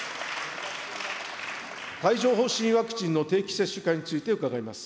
帯状ほう疹ワクチンの定期接種化について伺います。